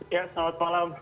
ya selamat malam